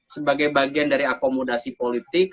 sebagai bagian dari akomodasi politik